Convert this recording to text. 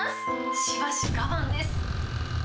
しばし我慢です。